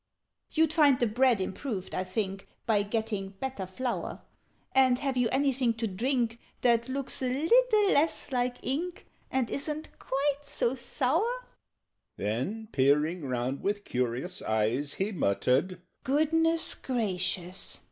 "You'd find the bread improved, I think, By getting better flour: And have you anything to drink That looks a little less like ink, And isn't quite so sour?" Then, peering round with curious eyes, He muttered "Goodness gracious!"